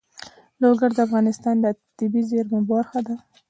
لوگر د افغانستان د طبیعي زیرمو برخه ده.